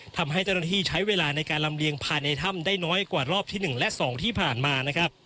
ทำให้เจ้าหน้าที่ใช้เวลาในการลำเลียงภายในถ้ำได้น้อยกว่ารอบที่๑และ๒ที่ผ่านมานะครับ